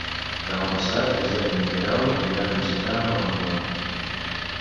Demà passat na Gemma i en Guerau aniran a visitar mon oncle.